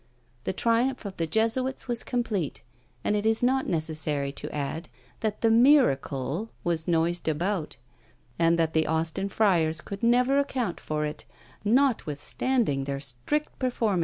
The triumph of the Jesuits was complete; and it is not necessary to add, that the miracle was noised about, and that the Austin friars could never account for it, notwithstanding their strict performance of the three vows!